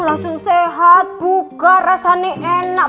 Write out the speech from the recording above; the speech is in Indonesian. langsung sehat buka rasanya enak